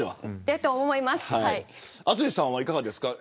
淳さんはいかがですか。